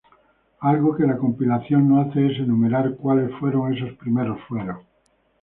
Algo que la compilación no hace es enumerar cuales fueron esos primeros fueros.